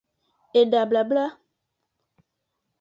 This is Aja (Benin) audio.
Eda blabla.